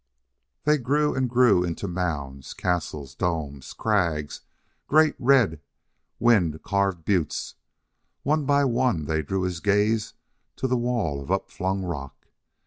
They grew and grew into mounds, castles, domes, crags great, red, wind carved buttes. One by one they drew his gaze to the wall of upflung rock.